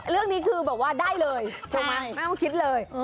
เรื่องนี้คือบอกว่าได้เลยไม่ต้องคิดเลย